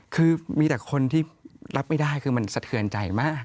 คือมีแต่คนที่รับไม่ได้คือมันสะเทือนใจมาก